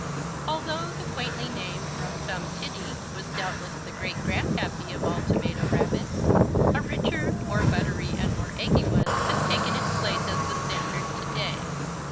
Although the quaintly named Rum Tum Tiddy was doubtless the great grandpappy of all Tomato Rabbits, a richer, more buttery and more eggy one has taken its place as the standard today.